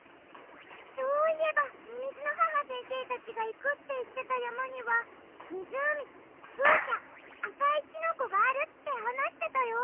そういえばみみずの母先生たちがいくっていってたやまにはみずうみふうしゃあかいキノコがあるってはなしてたよ。